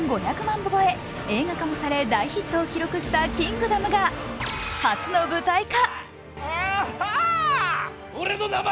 部超え映画化もされ大ヒットを記録した「キングダム」が初の舞台化。